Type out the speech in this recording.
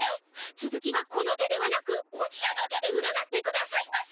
つづきはこの手ではなくこちらの手で占ってくださいませ。